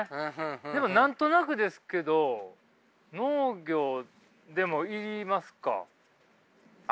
でも何となくですけど農業でもいりますか？